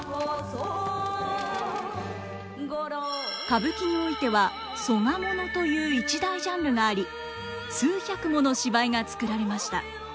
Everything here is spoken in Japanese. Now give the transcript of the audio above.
歌舞伎においては「曽我もの」という一大ジャンルがあり数百もの芝居が作られました。